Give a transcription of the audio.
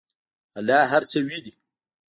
الله هر څه ویني.